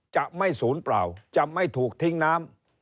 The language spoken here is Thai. จะไม่ศูนย์เปล่าจะไม่ถูกทิ้งน้ำ